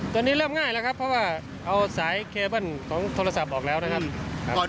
ตอนนี้เริ่มง่ายแล้วครับเพราะว่าเอาสายเคเบิ้ลของโทรศัพท์ออกแล้วนะครับ